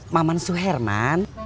maman su herman